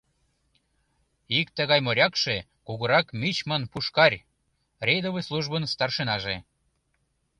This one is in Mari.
Ик тыгай морякше — кугурак мичман Пушкарь, рейдовый службын старшинаже.